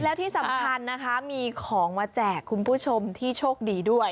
แล้วที่สำคัญนะคะมีของมาแจกคุณผู้ชมที่โชคดีด้วย